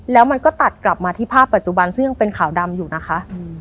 แล้วมันก็ตัดกลับมาที่ภาพปัจจุบันซึ่งเป็นขาวดำอยู่นะคะ